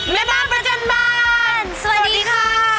แม่บ้านประจำบานสวัสดีค่ะ